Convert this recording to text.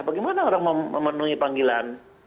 bagaimana orang memenuhi panggilan